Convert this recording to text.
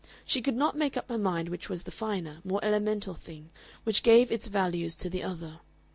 She could not make up her mind which was the finer, more elemental thing, which gave its values to the other.